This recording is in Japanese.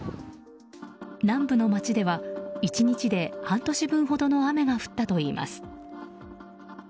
南部の街では１日で半年分ほどの雨が降ったといいます。